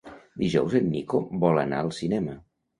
Dijous en Nico vol anar al cinema.